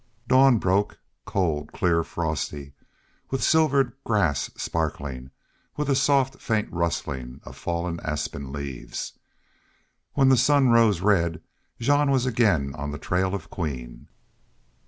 Dawn broke cold, clear, frosty, with silvered grass sparkling, with a soft, faint rustling of falling aspen leaves. When the sun rose red Jean was again on the trail of Queen.